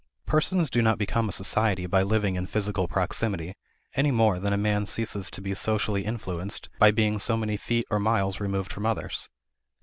Persons do not become a society by living in physical proximity, any more than a man ceases to be socially influenced by being so many feet or miles removed from others.